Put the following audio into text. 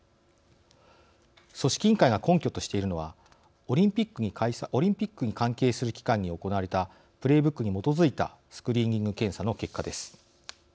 組織委員会が根拠としているのはオリンピックに関係する期間に行われたプレーブックに基づいたスクリーニング検査の結果です。